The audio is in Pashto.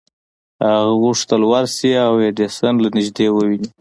هغه غوښتل ورشي او ایډېسن له نږدې وويني.